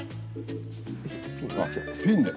あっピンで。